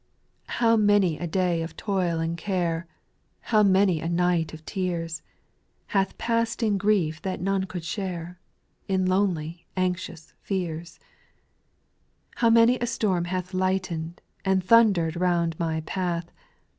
IIow many a clay of toil and care, How many a night of tears, Hath pass'd in grief that none could share, In lonely anxious fears I 3. How many a storm hath lightened And thunder'd round my path